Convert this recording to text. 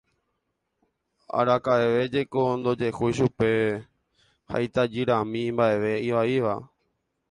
Araka'eve jeko ndojehúi chupe ha itajyramíme mba'eve ivaíva.